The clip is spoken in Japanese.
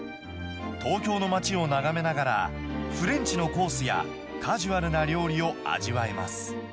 東京の街を眺めながら、フレンチのコースやカジュアルな料理を味わえます。